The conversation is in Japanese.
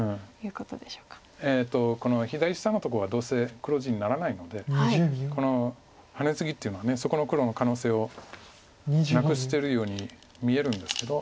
左下のとこはどうせ黒地にならないのでこのハネツギっていうのはそこの黒の可能性をなくしてるように見えるんですけど。